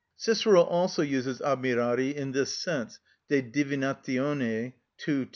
Cicero also uses admirari in this sense (De Divinatione, ii. 2).